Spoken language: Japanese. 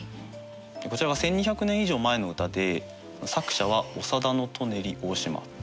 こちらは１，２００年以上前の歌で作者は他田舎人大島。